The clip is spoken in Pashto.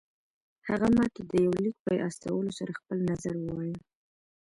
هغه ماته د يوه ليک په استولو سره خپل نظر ووايه.